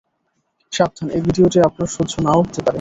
সাবধান, এ ভিডিওটি আপনার সহ্য নাও হতে পারে।